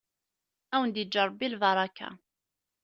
Ad wen-d-yeǧǧ Ṛebbi lbaṛaka.